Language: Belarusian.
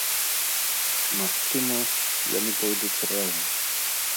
Магчыма, яны пойдуць разам.